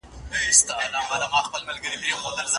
هغه ښوونکي چي زموږ پاڼه وړاندي کوي، مسلکي دی.